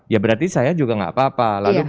ya berarti saya juga nggak apa apa